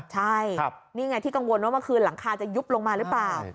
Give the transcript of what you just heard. ใช่นี่ไงที่กังวลว่าเมื่อคืนหลังคาจะยุบลงมาหรือเปล่า